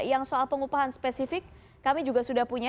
yang soal pengupahan spesifik kami juga sudah punya